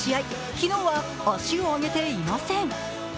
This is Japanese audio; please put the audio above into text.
昨日は足を上げていません。